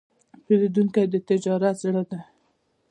پیرودونکی د تجارت زړه دی.